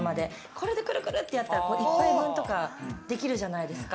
これでくるくるってやったら一杯分とかできるじゃないですか。